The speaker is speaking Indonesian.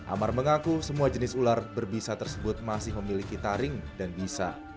amar mengaku semua jenis ular berbisa tersebut masih memiliki taring dan bisa